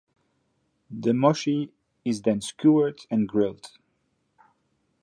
The mochi is then skewered and grilled.